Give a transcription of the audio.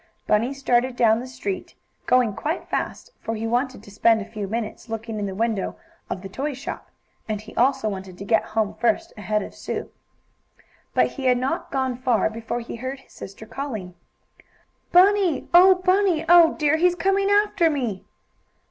Bunny started down the street, going quite fast, for he wanted to spend a few minutes looking in the window of the toy shop, and he also wanted to get home first, ahead of Sue. But he had not gone far before he heard his sister calling: "Bunny! Oh, Bunny! Oh, dear! He's coming after me!"